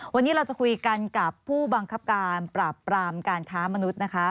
วันนี้เราจะคุยกันกับผู้บังคับการปราบปรามการค้ามนุษย์นะคะ